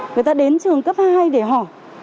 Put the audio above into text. người ta đến trường cấp hai hay để họ